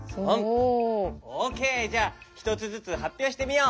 オッケーじゃあひとつずつはっぴょうしてみよう。